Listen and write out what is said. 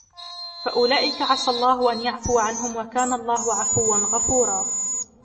فَأُولَئِكَ عَسَى اللَّهُ أَنْ يَعْفُوَ عَنْهُمْ وَكَانَ اللَّهُ عَفُوًّا غَفُورًا